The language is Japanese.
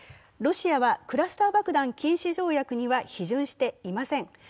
ロシアはクラスター爆弾禁止条約には批准していません。